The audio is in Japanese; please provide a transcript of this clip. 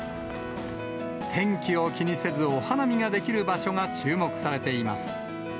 天気を気にせずお花見ができる場所が注目されています。